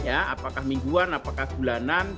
apakah mingguan apakah bulanan